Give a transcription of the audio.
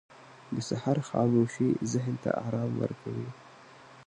• د سهار خاموشي ذهن ته آرام ورکوي.